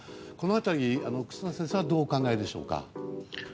この辺り、忽那先生はどうお考えでしょうか。